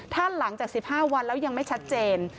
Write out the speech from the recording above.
ถ้าหลังจาก๑๕วันแล้วยังไม่ชัดเจน